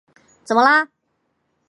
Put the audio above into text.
怎么了？